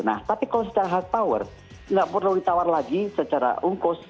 nah tapi kalau secara hard power nggak perlu ditawar lagi secara ungkos